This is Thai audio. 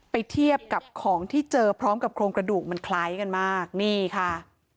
เทียบกับของที่เจอพร้อมกับโครงกระดูกมันคล้ายกันมากนี่ค่ะ